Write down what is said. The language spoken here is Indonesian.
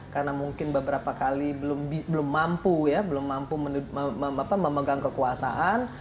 karena mungkin beberapa kali belum mampu ya belum mampu memegang kekuasaan